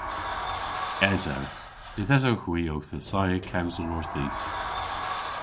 Esewgh. Yth esewgh hwi owth assaya kewsel orthis.